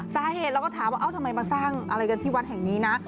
สาเหตุเราก็ถามว่าเอ้าทำไมมาสร้างอะไรกันที่วัดแห่งนี้นะ